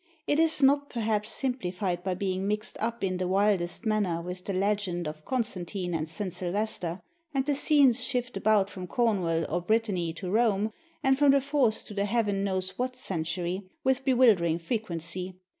It is not perhaps simplified by being mixed up in the wildest manner with the legend of Constantine and St. Sylvester, and the scenes shift about from Cornwall or Brittany to Rome, and from the fourth to the Heaven knows what century, with bewildering frequency.